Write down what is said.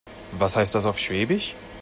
Was heißt das auf Schwäbisch?